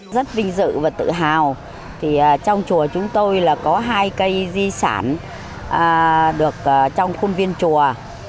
rất vinh dự và tự hào thì trong chùa chúng tôi là có hai cây di sản được trong khuôn viên chùa